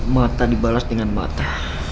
mata dibalas dengan mata